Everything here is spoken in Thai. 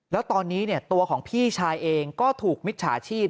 แล้วตอนนี้ตัวของพี่ชายเองก็ถูกมิจฉาชีพ